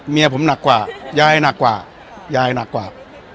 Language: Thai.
เมียผมหนักกว่ายายหนักกว่ายายหนักกว่า